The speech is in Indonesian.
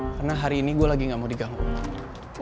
karena hari ini gue lagi gak mau diganggu